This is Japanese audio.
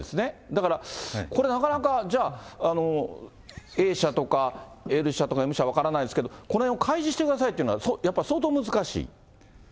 だから、これ、なかなか、じゃあ、Ａ社とか、Ｌ社とかＭ社とか分からないですけど、これ開示してくださいというのはこれは相当難しい？